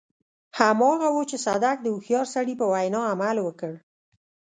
هماغه و چې صدک د هوښيار سړي په وينا عمل وکړ.